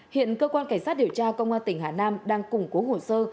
hiện cơ quan cảnh sát điều tra công an tỉnh hà nam đang củng cố hồ sơ